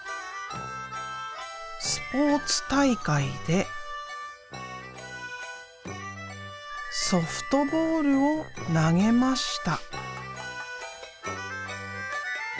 スポーツ大会でソフトボールを投げました」。